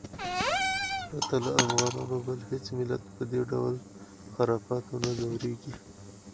پرته له افغانانو بل هېڅ ملت په دې ډول خرافاتو نه ځورېږي.